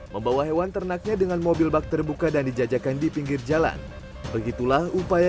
membawa hewan ternaknya dengan mobil bak terbuka dan dijajakan di pinggir jalan begitulah upaya